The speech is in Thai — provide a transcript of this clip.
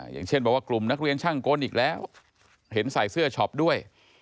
อย่างเช่นบอกว่ากลุ่มนักเรียนช่างกลอีกแล้วเห็นใส่เสื้อช็อปด้วย